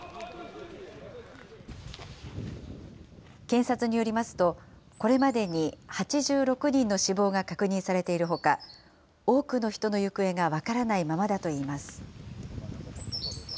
検察によりますと、これまでに８６人の死亡が確認されているほか、多くの人の行方が分からないままだといいます。